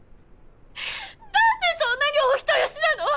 何でそんなにお人よしなの？